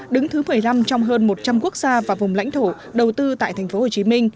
đứng thứ một mươi năm trong hơn một trăm linh quốc gia và vùng lãnh thổ đầu tư tại tp hcm